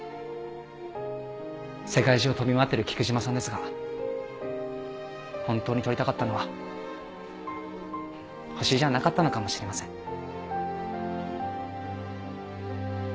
世界中を飛び回ってる菊島さんですが本当に撮りたかったのは星じゃなかったのかもしれません。